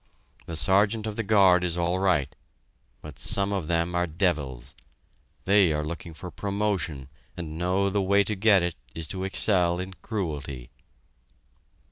The Sergeant of the guard is all right, but some of them are devils; they are looking for promotion, and know the way to get it is to excel in cruelty.